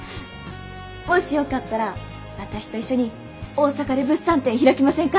もしよかったら私と一緒に大阪で物産展開きませんか？